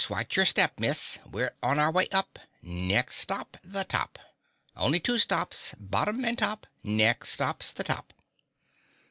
Watch your step, Miss. We're on our way up next stop the top! Only two stops bottom and top. Next stop's the top!"